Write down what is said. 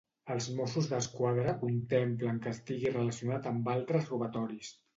Els Mossos d'Esquadra contemplen que estigui relacionat amb altres robatoris.